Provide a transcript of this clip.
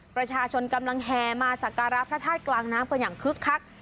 ประชาชนกำลังแห่มาสักการะพระธาตุกลางน้ำกันอย่างคึกคัก